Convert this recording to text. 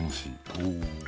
おお。